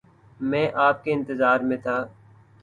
میں آپ کے انتظار میں تھا